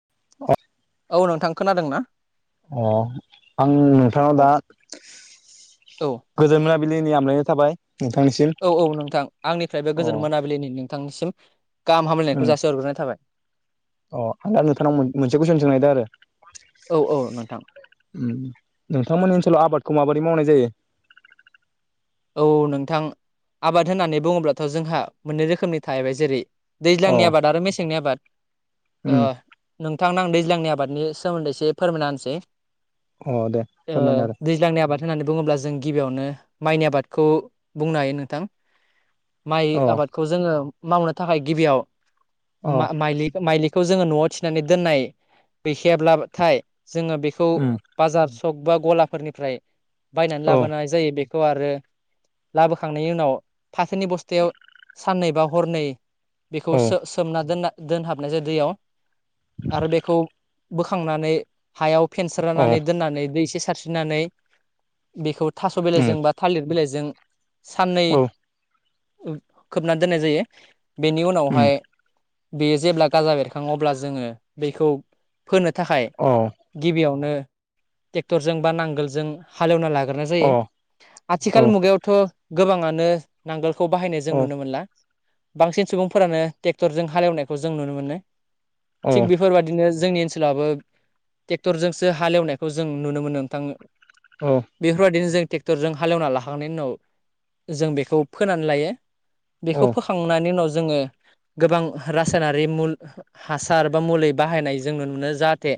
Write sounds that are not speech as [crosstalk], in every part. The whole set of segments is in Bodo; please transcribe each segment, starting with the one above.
[unintelligible] औ नोंथां खोनादों ना? अ आं नोंथांनाव औ दा गोजोनना बिलिनि आमलायनाय थाबाय । औ- औ नोंथां आंनिफ्रायबो अ गोजोन मोनाबिलिनि नोंथांनिसिम गाहाम हामलायनायखौ जासिहरगोरनाय थाबाय । अ आं दा नोंथांनाव मोन-मोनसे कुइसन सोंनायदो आरो औ औ नोंथां । उम नोंथांमोननि ओनसोलाव आफादखौ माबोरै मावनाय जायो? औ नोंथां आबाद होननानै बुङोब्लाथ' जोंहा मोननै रोखोमनि थायैबाय जेरै अ दैज्लांनि आबाद आरो मेसेंनि आबाद । ओ उम नोंथांनो दैज्लांनि आबादनि सोमोन्दै एसे फोरमायना होनसै अ दे [inaudible] ओ फोरमायना दैज्लांनि आबाद होननानै बुङोब्ला जों गिबियावनो माइनि आबादखौ बुंनो हायो नोंथां माइ हो आबादखौ जोङो मावनो थाखाय गिबियाव अ मा माइलि‌ माइलिख खौ जोङो न'आव थिनानै दोननाय बैखायाब्लाबथाय जोङो बेखौ उम बाजार हक बा गलाफोरनिफ्राय बायनानै औ लाबोनाय जायो बेखौ आरो लाबोखांनायनि उनाव फाखोनि बस्थायाव साननै बा हरनै बेखौ सो औ सोमना दोनना दोनहाबनाय जाय दैयाव आरो बेखौ बोखांनानै हायाव औ फेनस्रानानै दोननानै दै एसे सारस्रिनानै बेखौ थास' उम बिलाइजों बा थालिर बिलाइजों साननै औ ओं खोबनान दोननाय जायो बेनि उम उनावहाय बेयो जेब्ला गाजा बेरखाङो अब्ला जोङो बेखौ फोनो थाखाय औ गिबियावनो ट्रेक्टरजों बा नांगोलजों हालेवना लागोरना अ जायो औ आथिख खोल मुगायावथ' गोबाङानो नांगोलखौ बाहायनाय जों औ नुनो मोनला बांसिन सुबुंफोरानो ट्रेक्टरजों हालेवनायखौ जों नुनो मोनो औ थिग बेफोरबादिनो जोंनि ओनस चोलाबो ट्रेक्टरजोंसो हालेवनायखौ जों नुनो मोनो ओंथां बेफोरबायदिनो जों ट्रेक्टरजों हालेवना ला आंने उनाव जों बेखौ फोनानै लायो बेखौ फोखांनायनि उनाव जोङो गोबां रासायनारि मुल हासार बा मुलै बाहायनाय जों नुनो जाहाथे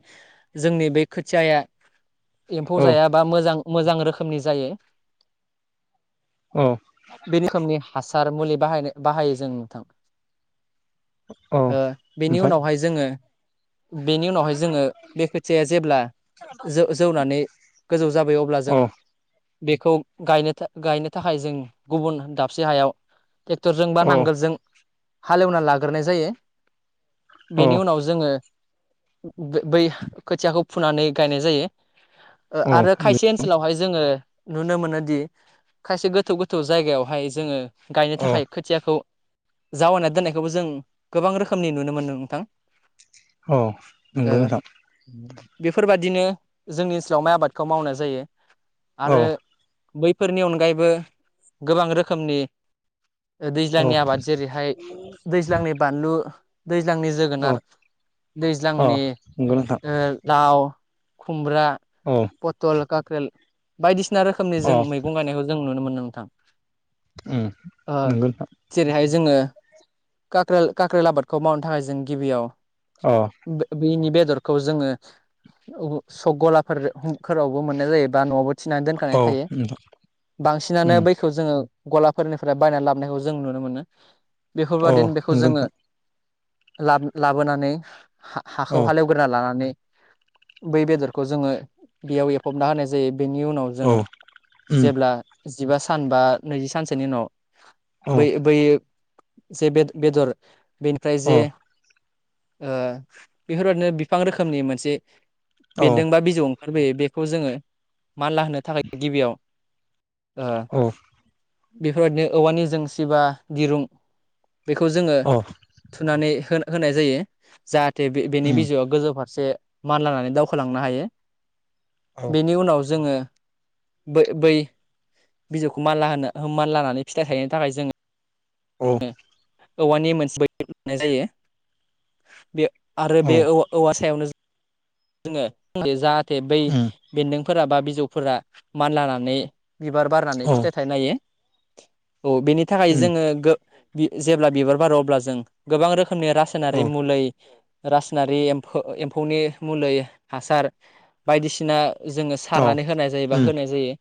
जोंनि बे खोथियाया [inaudible] एम्फौ जायाबा मोजां मोजां रोखोमनि जायो औ [inaudible] बे रोखोमनि हास हार मुलि बाहायनो बाहायो जों नोंथां औ ओ बेनि ओमफ्राय उनावहाय जोङो बेनि उनावहाय जोङो बे खोथिया जेब्ला जो जौनानै गोजौ जाबोयो अब्ला जों अ बेखौ गायनो था गायनो थाखाय जों गुबुन दाबसे हायाव ट्रेक्टरजों बा अ नांगोलजों हालेवना लाग्रोनाय जायो। अ बेनि उनाव जोङो बै खोथियाखौ फुनानै गायनाय जायो। ओ अ आरो खायसे ओनसोलावहाय जोङो नुनो मोनो दि खायसे गोथौ गोथौ जायगायावहाय जोङो गायनो अ थाखाय खोथियाखौ जावायना दोननायखौबो जों गोबां रोखोमनि नुनो मोनदों नोंथां अ ओ नंगौ नोंथां बेफोरबा दिनो जोंनि ओनसोलाव माइ आबादखौ मावनाय जायो औ आरो बैफोरनि अनगायैबो गोबां रोखोमनि ओ औ दैज्लांनि आबाद जेरैहाय दैज्लांनि बानलु दैज्लांनि औ जोगोनार अ दैज्लांनि नंगौ नोंथां ओ लाव खुमब्रा औ पथल काख्रेल बायदिसिना रोखोमनि अ जों मैगं गायनायखौ जों नुनो मोनो नोंथां उम ओ नंगौ नोंथां जेरैहाय जोङो काक्रेल कक्रेल आबादखौ मावनो थाखाय जों गिबियाव अ बेनि बेद बेदरखौ जोङो सक गलाफोर फोरावबो मोननाय जायोबा न'आवबो थिनानै दोनखानाय औ थायो नोंथां बांसिनानो उम बैखौ जोङो गलाफोरनिफ्राय बायनानै लाबोनायखौ जों नुनो मोनो। अ बेफोरबादिनो बेखौ नंगौ जोङो नोंथां ला लाबोनानै औ हाखौ हालेवग्रोना लानानै बै बेदरखौ जोङो बेयाव एफबना होनाय जायो बेनि उनाव जों औ उम जेब्ला जिबा सान बा नैजि सानसोनि उनाव अ बै बै जे बे बेदर बेनिफ्राय अ जे ओ बेफोरबायदिनो बिफां रोखोमनि मोनसे औ बेन्दों बा बिजौ खारबोयो बेखौ जोङो मानला होनो थाखाय गिबियाव ओ औ बेफोरबायदिनो औवानि जोंसि बा दिरुं बेखौ जोङो अ थुनानै हो होनाय जायो जाहाथे बे बेनि उम बिजौआ गोजौ फारसे मानलानानै दावखोलांनो हायो औ बेनि उनाव जोङो बै बै बिजौखौ मानला होनो मानला होनानै फिथाइ थायनो थाखाय जोङो औ। औवानि मोनसे बै लानाय जायो बे आरो बे औ औवा सायावनो जोङो [unintelligible] जाहाथे बै उम बेदों फोरा बा बिजौफोरा मानलानानै बिबार बारनानै औ फिथाइ थाइनो हायो। औ बेनि थाखाय उम जोङो गो बि जेब्ला बिबार बारो अब्ला जों गोबां रोखोम रोखोमनि रासायनारि औ मुलै रासनारि एम्फो एम्फौनि मुलै हासार बायदिसिना जोङो सारनानै औ होनाय जायो बा उम अ होनाय जायो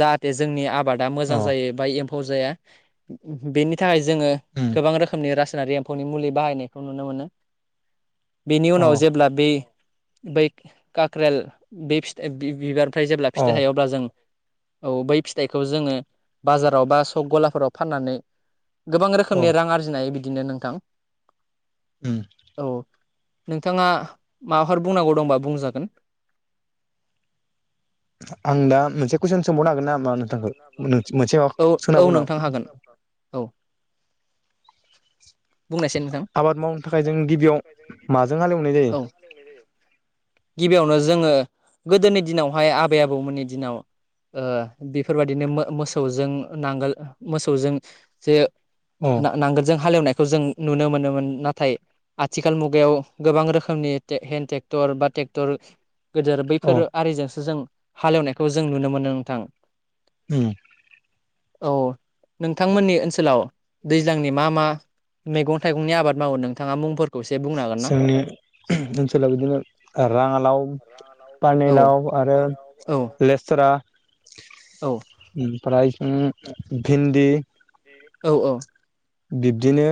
जाहाथे जोंनि आबादा मोजां जायो बा एम फौ जाया बेनि थाखाय जोङो उम गोबां रोखोमनि रास नारि एम्फौनि मुलि बाहायनायखौ नुनो मोनो। बेनि उनाव अ जेब्ला बे बै काक्रेल बे फिथाइ बि बिबारनिफ्राय जेब्ला औ फिथाइ थायो अब्ला जों औ बै फिथाइखौ जोङो बाजाराव बा सक गलाफोराव फाननानै गोबां औ रोखोमनि रां आरजिनो हायो बिदिनो नोंथां। उम औ। नोंथाङा माबाफोर बुंनांगौ दंबा बुंजागोन। आं दा मोनसे कुइसन सोंबावनो हागोन नामा कुइसन नोंथांखौ मोनसे सोंबावनो माबा सोनाबावनो हागोन नामा नोंथांखौ? [inaudible] आबाद मावनो थाखाय जों गिबियाव माजों हालेवनाय जायो? औ गिबियावनो जोङो गोदोनि दिनावहाय आबै आबौमोननि दिनाव ओ बेफोरबायदिनो मो मोसौजों नांगोल मोसौजों जे अ ना नांगोलजों हालेवनायखौ जों नुनो मोनोमोन नाथाय आथिखाल मुगायाव गोबां रोखोमनि ते हेन्द ट्रेक्टर बा ट्रेक्टर गोदोर अ बैफोर आरिजोंसो जों हालेवनायखौ जों नुनो मोनो नोंथां। उम औ। नोंथांमोननि ओनसोलाव दैज्लांनि मा मा मैगं-थाइगंनि आबाद मावो नोंथाङा मुंफोर जोंनि [unintelligible] ओनसोलाव बिदिनो ओ राङालाव, औ पानिलाव आरो औ लेसरा औ ओमफ्राय ओम भिन्दि औ औ। बिब्दिनो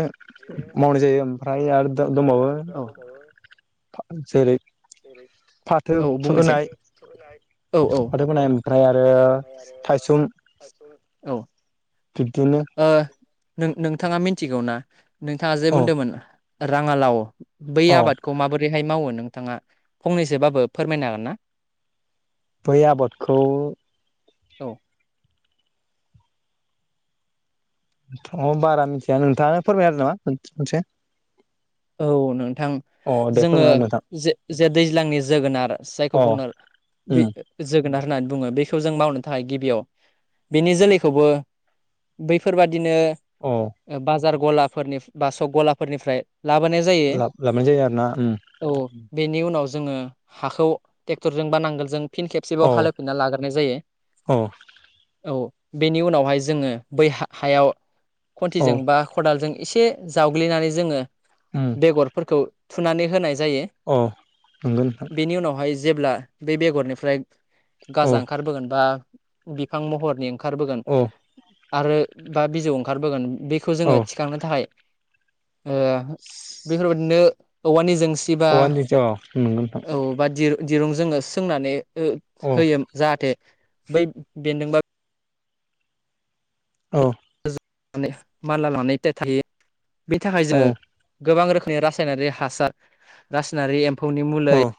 मावनाय जायो औ ओमफ्राय आरो द दंबावो जेरै फाथो औ बुंनोसै फोनाय औ औ फाथो फोनाय ओमफ्राय आरो थाइसुम औ। बिबदिनो नों नोंथाङा मिथिगौ ना? नोंथाङा जे औ बुंदोंमोन राङालाव बै औ आबादखौ माबोरैहाय मावो नोंथाङा फंनैसोबाबो फोरमायनो हागोन ना? बै आबादखौ औ। अ बारा मिथिया नोंथाङा फोरमाय आरो ना मोनसे। औ नोंथां जोङो फोरमायना होदो नोंथां जे जे दैज्लांनि जोगोनार जायखौ अ बुङो बे उम जोब होननानै बुङो बेखौ जों मावनो थाखाय गिबियाव बिनि जोलैखौबो बैफोरबाद दिनो अ ओ बाजार गलाफोरनि बा सक गलाफोरनिफ्राय लाबोनाय जायो लाबोनाय जायो आरोना उम औ बेनि उनाव उनाव जोङो हाखौ ट्रेक्टरजों बा नांगोलजों फिन खेबसेबाव औ हालेवफिनना लाग्रनाय जायो औ औ बेनि उनावहाय जोङो बै हायाव औ खन्थिजों बा खदालजों एसे जावग्लिनानै जोङो उम बेगरफोरखौ थुनानै होनाय जायो औ नंगौ नोंथां बेनि उनावहाय जेब्ला बे बेगरनिफ्राय औ गाजा ओंखारबोगोन बा बिफां महरनि ओंखारबोगोन औ आरो बा बिजौ ओंखारबोगोन बेखौ औ जोङो थिखांनो थाखाय ओ बेफोरबायाददिनो औवानि ज सिबा औवानि अ नंगौ नोंथां औ दिर‌‌ दिरुं जोङो सोंनानै औ होयो जाहाथे बै बेन्दोंबा औ मानला लानानै थायो बेनि थाखाय जोङो गोबां रोखोम रासायनारि हासार रासायनारि एम्फौनि मलै औ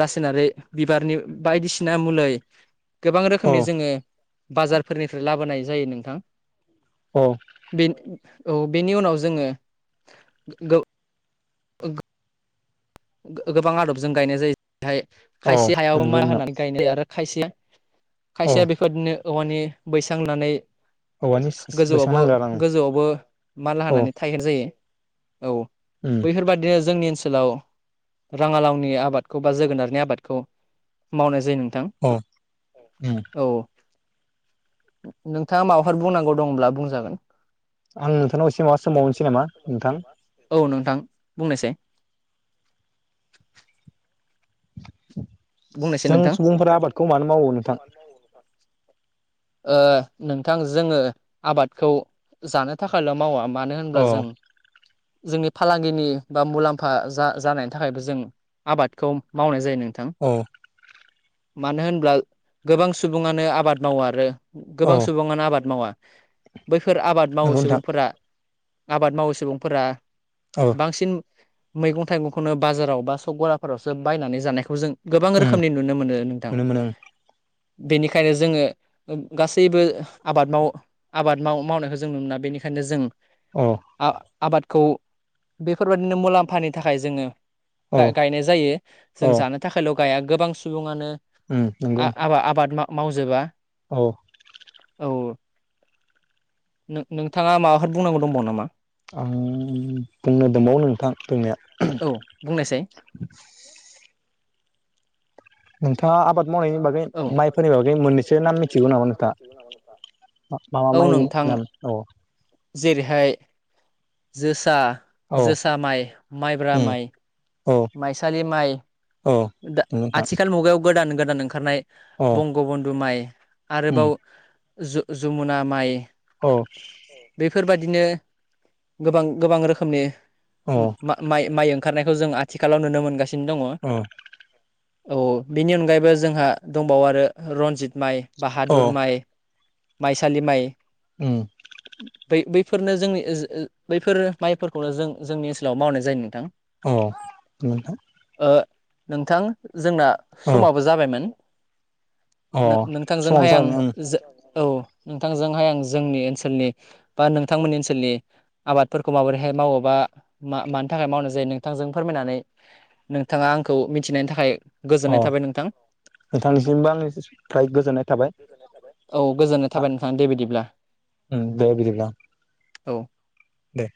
रासायनारि बिबारनि बायदिसिना मलै गोबां औ रोखोमनि जोङो बाजारफोरनिफ्राय लाबोनाय जायो नोंथां औ बे औ बेनि उनाव जोङो गोबां आदबजों गायनाय जायो जेरहाय औ खायसे हायाव मा नंगौ नोंथां होनानै गायनाय जायो आरो खायसेया औ खायसेया बेफोरदिनो औवानि बैसां होननानै औवानि बैसां गोजौआवबो नांगौ आरो आं गोजौआवबो माला औ होनानै थाहेर जायो औ उम बैफोरबादिनो जोंनि ओनसोलाव राङालावनि आबादखौ बा जोगोनारनि आबादखौ मावनाय जायो नों औ उम नोंथां औ नोंथाङा माबाफोर बुंनांगौ दंब्ला बुंजागोन आं नोंथांनाव एसे माबा सोमबावनोसै नामा नोंथां औ नोंथां बुंनोसै बुंनायसाय जों नोंथां सुबुंफोरा आबादखौ मानो मावो नोंथां नोंथां जोङो आबादखौ जानो थाखायल' मावा मानो होनब्ला औ जों, जोंनि फालांगिनि बा मुलाम्फा जा जानायनि थाखायबो जों आबादखौ मावनाय जायो नोंथां। दु मानो होनब्ला गोबां सुबुङानो आबाद मावा आरो औ गोबां सुबुङानो आबाद मावा। बैफोर आबाद मावो नंगौ नोंथां सुबुंफोरा आबाद मावो सुबुंफोरा, औ बांसिन मैगं थाइगंखौनो बाजाराव बा सक गलाफोरावसो बायनानै जानायखौ जों गोबां उम रोखोमनि नुनो मोनो नोंथां। नुनो मोनो बेनिखायनो जोङो गासैबो आबाद माव आबाद मावनायखौ जों नुनो मोना बेनिखायनो जों औ आबादखौ बेफोरबादिनो मुलाम्फानि थाखाय जोङो औ गायनाय जायो जों जानो थाखायल' गाया गोबां सुबुङानो उ नोंगौ नोंथा आबाद आबाद मावजोबा औ नों नोंथाङा माबाफोर बुंनांगौ दंबावो नामा? आं बुंनो दंबावो नोंथां बुंनाया हहम औ बुंनायसाय नोंथाङा आबाद मावनायनि बागै औ माइफोरनि बागै मोननैसो नाम मिथिगौ नामा नोंथाङा? मामा औ माइनि नोंथां नाम औ जेरैहाय जोसा, औ जोसा माइ, माइब्रा उम माइ, औ माइसालि माइ, औ दा नंगौ नोंथां आथिखाल मुगायाव गोदान गोदान ओंखारनाय औ बंगबन्धु माइ, उम आरोबाव जमुना माइ औ बेफोरबायाददि बिदिनो गोबां गोबां रोखोमनि औ माइ माइ ओं ओंखारनायखौ जों आथिखालाव नुनो मोनगासिनो दङ। औ औ बेनि अनगायैबो जोंहा दंबावो आरो रनजित माइ, औ बाहादुर माइ, माइसालि माइ उम बै बै फोरनो जोंनि बैफोर माइफोरखौनो जों जोंनि ओनसोलाव मावनाय जायो नोंथां। औ नोंथां ओ नोंथां जोंना औ समाबो जाबायमोन अ समाबो नोंथांजोंहाय आं जाबायमोन जो औ नोंथांजोंहाय आं जोंनि ओनसोलनि बा नोंथांमोननि ओनसोलनि आबादफोरखौ माबोरैहाय मावोबा मानि थाखाय मावनाय जायो नोंथांजों फोरमायनानै नोंथाङा आंखौ मिथिनायनि थाखाय अ गोजोननाय थाबाय नोंथां नोंथांनिसिमबो आंनि फ्राय गोजोननाय थाबाय। औ गोजोननाय आ थाबायनानै थां दे बिदिब्ला‌। उम दे बिदिब्ला औ। दे